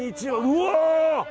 うわ！